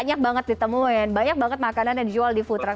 banyak banget ditemuin banyak banget makanan yang dijual di food truck